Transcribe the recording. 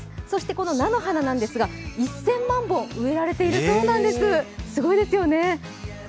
そして菜の花なんですが１０００万本植えられているそうなんです、すごいですね。